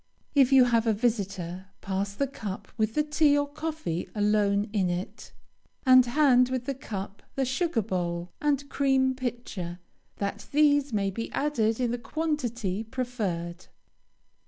If you have a visitor, pass the cup with the tea or coffee alone in it, and hand with the cup the sugar bowl and cream pitcher, that these may be added in the quantity preferred.